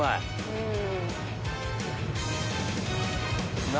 うん。